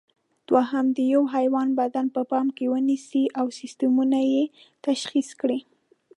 دوهم: د یوه حیوان بدن په پام کې ونیسئ او سیسټمونه یې تشخیص کړئ.